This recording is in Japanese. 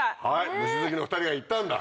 虫好きの２人が行ったんだ。